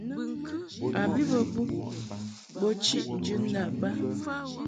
A bi bə bub bo chiʼ njɨndab ba.